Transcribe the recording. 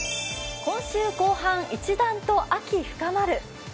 今週後半、一段と秋深まる。